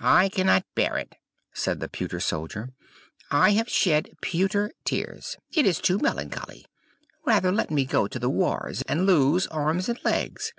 "I cannot bear it!" said the pewter soldier. "I have shed pewter tears! It is too melancholy! Rather let me go to the wars and lose arms and legs!